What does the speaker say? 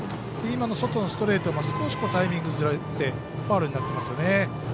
外のストレートが少しタイミングがずれてファウルになっていますよね。